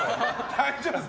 大丈夫です。